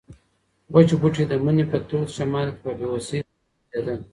وچ بوټي د مني په تود شمال کې په بې وسۍ سره خوځېدل.